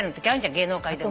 芸能界でも。